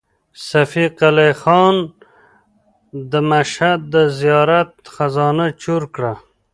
صفي قلي خان د مشهد د زیارت خزانه چور کړه.